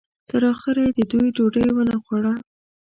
تر اخره یې د دوی ډوډۍ ونه خوړه.